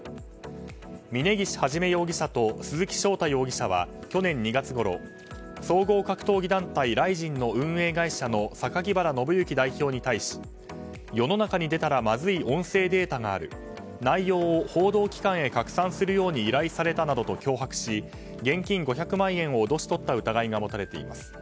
峯岸一容疑者と鈴木翔太容疑者は去年２月ごろ総合格闘技団体ＲＩＺＩＮの榊原信行代表に対し世の中に出たらまずい音声データがある内容を報道機関へ拡散するように依頼されたなどと脅迫し現金５００万円を脅し取った疑いが持たれています。